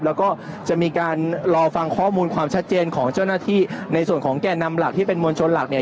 แล้วก็จะมีการรอฟังข้อมูลความชัดเจนของเจ้าหน้าที่ในส่วนของแก่นำหลักที่เป็นมวลชนหลักเนี่ย